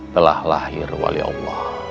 telah lahir wali allah